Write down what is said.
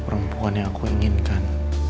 perempuan yang aku inginkan